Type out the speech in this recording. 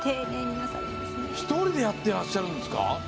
１人でやってらっしゃるんですか？